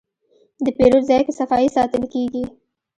د پیرود ځای کې صفایي ساتل کېږي.